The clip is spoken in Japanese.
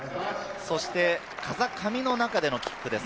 風上の中でのキックです。